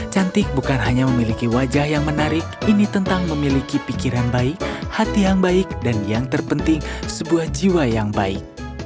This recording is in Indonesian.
cantik bukan hanya memiliki wajah yang menarik ini tentang memiliki pikiran baik hati yang baik dan yang terpenting sebuah jiwa yang baik